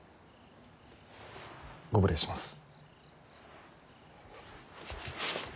ご無礼します。